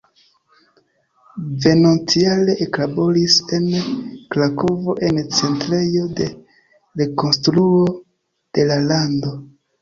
Venontjare eklaboris en Krakovo en Centrejo de Rekonstruo de la Lando.